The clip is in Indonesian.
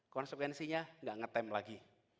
konsekuensinya tidak ngetem lagi